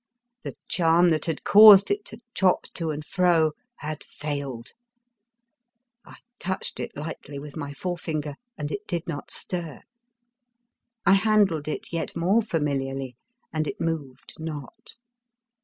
The charm that had caused it to chop to and fro had failed. I touched it lightly with my forefinger, and it did not stir; I handled it yet more familiarly and it moved not.